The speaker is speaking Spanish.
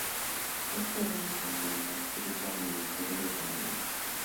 Este órgano se encuentra adscrito al Ministerio de Economía.